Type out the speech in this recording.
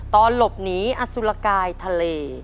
ตอนหลบหนีอสุรกายทะเล